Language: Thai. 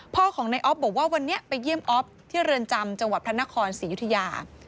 พ่อของในออฟบอกว่าวันนี้ไปเยี่ยมออฟที่เรือนจำจังหวัดพระนครศรียุธยา